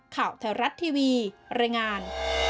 ข่าวแถวรัฐทีวีรายงาน